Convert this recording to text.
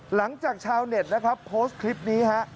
หลังจากชาวเน็ตโพสต์คลิปนี้